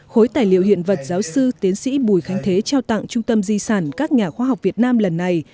khối tài liệu hiện vật giáo sư tiến sĩ bùi khánh thế trao tặng trung tâm di sản các nhà khoa học việt nam lần này